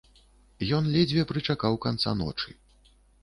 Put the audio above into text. Ён ледзьве прычакаў канца ночы.